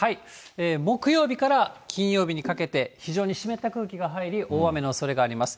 木曜日から金曜日にかけて、非常に湿った空気が入り、大雨のおそれがあります。